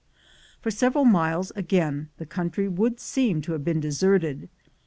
For several miles again the country would seem to have been deserted.